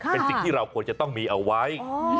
เป็นสิ่งที่เราควรจะต้องมีเอาไว้